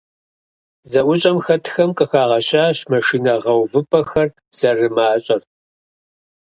ЗэӀущӀэм хэтхэм къыхагъэщащ машинэ гъэувыпӀэхэр зэрымащӀэр.